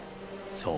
そう。